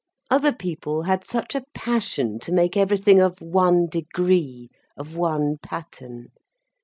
Other people had such a passion to make everything of one degree, of one pattern.